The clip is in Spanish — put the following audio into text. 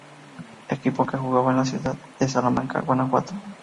Equipo que jugaba en la ciudad de Salamanca, Guanajuato.